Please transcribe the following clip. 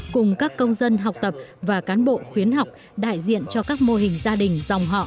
cùng các công dân học tập và cán bộ khuyến học đại diện cho các mô hình gia đình dòng họ